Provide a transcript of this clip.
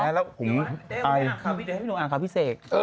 เดี๋ยวที่หนูอ่านข่าวพี่เสก